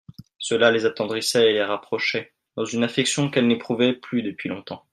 Cela les attendrissait et les rapprochait, dans une affection qu'elles n'éprouvaient plus depuis longtemps.